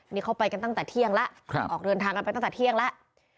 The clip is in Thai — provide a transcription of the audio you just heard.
นี่เขาไปกันตั้งแต่เที่ยงแล้วออกเดินทางกันไปตั้งแต่เที่ยงแล้ว